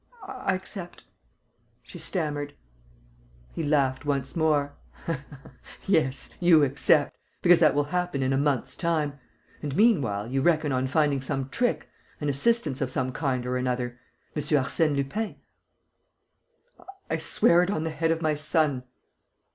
I accept," she stammered. He laughed once more: "Yes, you accept, because that will happen in a month's time ... and meanwhile you reckon on finding some trick, an assistance of some kind or another ... M. Arsène Lupin...." "I swear it on the head of my son."